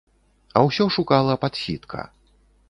А ўсё шукала падсітка.